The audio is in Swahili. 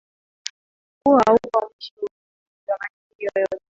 huo haukuwa mwisho wa uchunguzi wa matukio yote